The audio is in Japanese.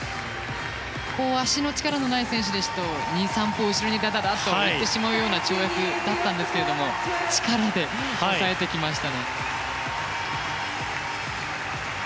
足の力のない選手ですと２３歩、後ろにがたがたと行ってしまうような跳躍でしたが力で抑えてきました。